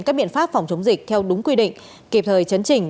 các biện pháp phòng chống dịch theo đúng quy định kịp thời chấn trình